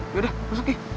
yaudah masuk ya